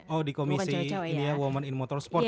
oh di komisi ini ya women in motorsport ya